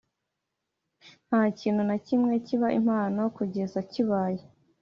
ntakintu na kimwe kiba impamo kugeza kibaye